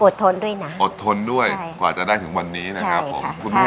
ทนด้วยนะอดทนด้วยกว่าจะได้ถึงวันนี้นะครับผมคุณแม่